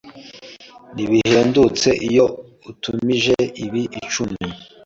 Nibihendutse iyo utumije ibi icumi.